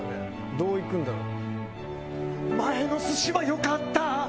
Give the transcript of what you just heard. どういくんだろう？